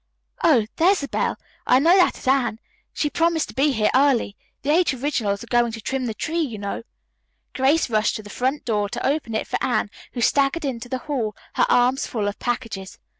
Oh, there's the bell. I know that is Anne! She promised to be here early. The Eight Originals are going to trim the tree, you know." Grace rushed to the front door to open it for Anne, who staggered into the hall, her arms full of packages.